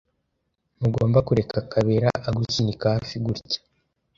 Ntugomba kureka Kabera agusunika hafi gutya.